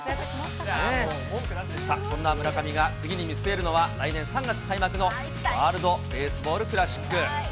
そんな村上が次に見据えるのは、来年３月開幕のワールドベースボールクラシック。